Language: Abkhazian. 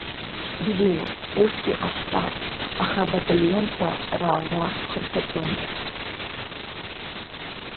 Бзиоуп, усгьы ҟаҳҵап, аха абаталионқәа раара хырԥатәым.